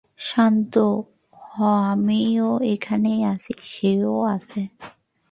শান্ত হ আমিও এখানে আছি, সেও আছে।